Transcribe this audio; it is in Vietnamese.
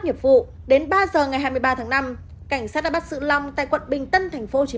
nghiệp vụ đến ba h ngày hai mươi ba tháng năm cảnh sát đã bắt giữ long tại quận bình tân thành phố hồ chí